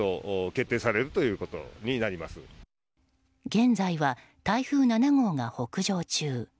現在は台風７号が北上中。